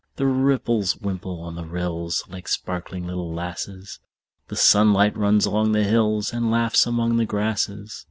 The ripples wimple on the rills, Like sparkling little lasses; The sunlight runs along the hills, And laughs among the grasses.